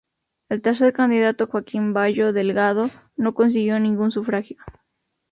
El tercer candidato, Joaquín Bayo Delgado, no consiguió ningún sufragio.